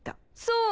そう。